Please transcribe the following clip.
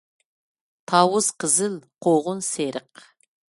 تاۋۇز قىزىل قوغۇن سېرىق